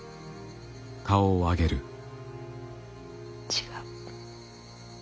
違う。